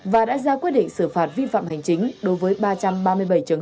và đã ra quy định sửa phạt vi phạm hành chính đối với ba trăm ba mươi bảy trường hợp số tiền gần một tỷ đồng